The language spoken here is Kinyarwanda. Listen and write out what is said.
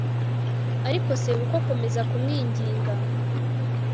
ariko sebukwe akomeza kumwinginga